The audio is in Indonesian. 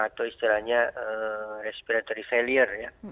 atau istilahnya respiratory failure ya